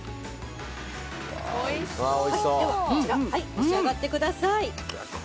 召し上がってください。